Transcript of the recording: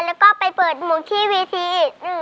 และก็ไปเปิดหวักที่พีที่